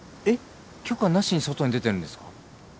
えっ許可なしに外に出てるんですか？